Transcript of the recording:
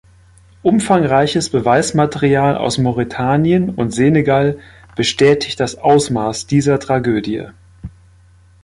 Umfangreiches Beweismaterial aus Mauretanien und Senegal bestätigt das Ausmaß dieser Tragödie.